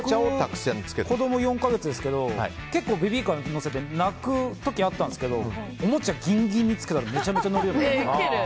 子供、４か月ですけど結構、ベビーカーに乗せると泣く時があったんですけどおもちゃをギンギンにつけたらめちゃめちゃ乗るようになった。